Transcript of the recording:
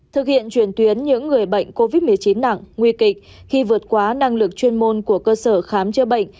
thực hiện truyền tuyến những người bệnh covid một mươi chín nặng nguy kịch khi vượt quá năng lực chuyên môn của cơ sở khám chữa bệnh